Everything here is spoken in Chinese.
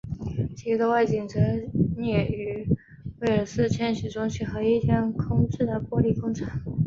其余的外景则摄于威尔斯千禧中心和一间空置的玻璃工厂。